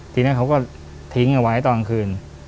ทีนี้เขาก็ทิ้งเอาไว้ตอนคืน